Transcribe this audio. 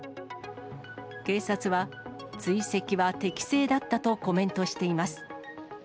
警察は追跡は適正だったとコメントしています。